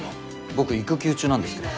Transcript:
僕育休中なんですけど。